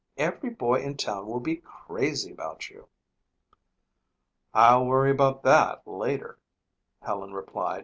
Every boy in town will be crazy about you." "I'll worry about that later," Helen replied.